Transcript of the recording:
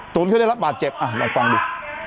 เขาได้รับบาดเจ็บลองฟังดู